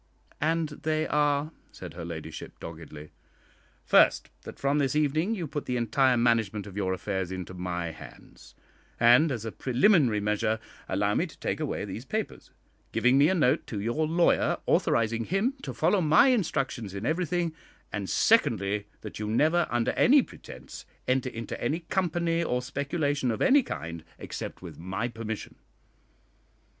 "And they are?" said her ladyship, doggedly. "First, that from this evening you put the entire management of your affairs into my hands, and, as a preliminary measure, allow me to take away these papers, giving me a note to your lawyer authorising him to follow my instructions in everything; and, secondly, that you never, under any pretence, enter into any company or speculation of any kind except with my permission."